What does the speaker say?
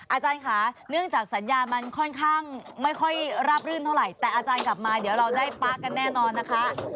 อาจารย์ค่ะเนื่องจากสัญญามันค่อนข้างไม่ค่อยราบรื่นเท่าไหร่แต่อาจารย์กลับมาเดี๋ยวเราไล่ป๊ะกันแน่นอนนะคะ